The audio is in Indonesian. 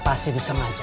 pasti disemangkan ya kan